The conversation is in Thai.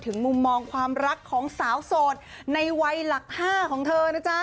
มุมมองความรักของสาวโสดในวัยหลัก๕ของเธอนะจ๊ะ